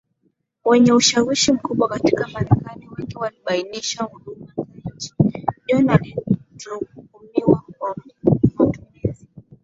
wenye ushawishi mkubwa katika Marekani Wengi akibainisha huduma zake nchini John watuhumiwa wa matumizi